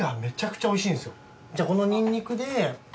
じゃあこのニンニクで。